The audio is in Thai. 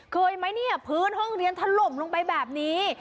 เคยไหมเนี่ยพื้นห้องเรียนถล่มลงไปแบบนี้